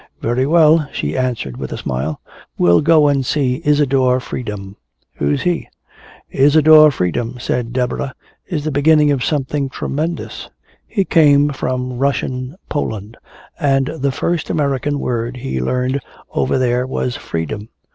"Very well," she answered with a smile. "We'll go and see Isadore Freedom." "Who's he?" "Isadore Freedom," said Deborah, "is the beginning of something tremendous. He came from Russian Poland and the first American word he learned over there was 'freedom.'